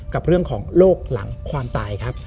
กับเรื่องของโรคหลังความตายครับ